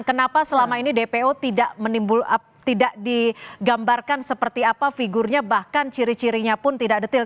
kenapa selama ini dpo tidak digambarkan seperti apa figurnya bahkan ciri cirinya pun tidak detil